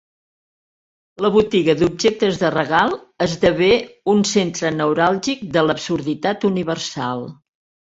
La botiga d'objectes de regal esdevé un centre neuràlgic de l'absurditat universal.